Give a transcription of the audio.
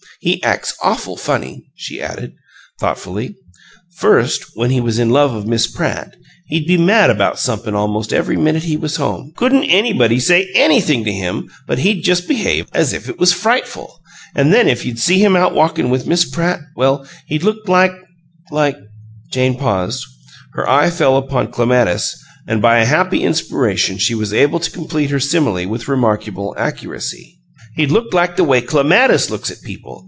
"He acks awful funny!" she added, thoughtfully. "First when he was in love of Miss Pratt, he'd be mad about somep'm almost every minute he was home. Couldn't anybody say ANYthing to him but he'd just behave as if it was frightful, an' then if you'd see him out walkin' with Miss Pratt, well, he'd look like like " Jane paused; her eye fell upon Clematis and by a happy inspiration she was able to complete her simile with remarkable accuracy. "He'd look like the way Clematis looks at people!